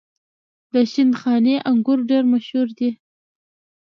د شندخاني انګور ډیر مشهور دي.